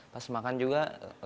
pas makan juga